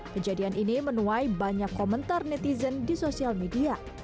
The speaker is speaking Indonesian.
kejadian ini menuai banyak komentar netizen di sosial media